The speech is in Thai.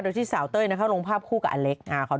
โดยที่สาวเต้ยเขาลงภาพคู่กับอเล็ก